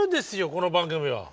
この番組は。